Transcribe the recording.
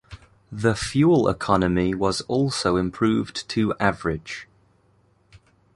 The fuel economy was also improved to average.